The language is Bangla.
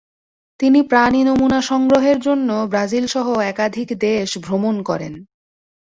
তিনি প্রাণী নমুনা সংগ্রহের জন্য ব্রাজিলসহ একাধিক দেশ ভ্রমণ করেন।